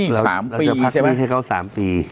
เราจะพักหนี้ให้เค้า๓ปี